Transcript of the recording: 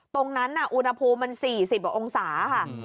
ตรงนั้นอุณหภูมิมัน๔๐กว่าองศาค่ะ